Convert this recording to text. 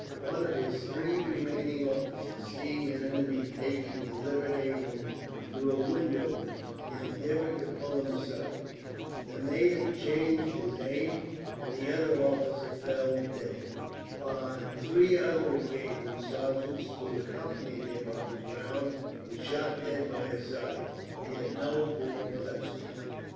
One of his three remaining officers, seeing an enemy taking deliberate aim at him through a window, endeavoured to pull him aside. The native changed his aim, and the officer fell dead. On three other occasions sergeants, who accompanied him on his rounds, were shot dead by his side. Yet no ball touched him.